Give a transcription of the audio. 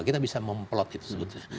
kita bisa memplot itu sebetulnya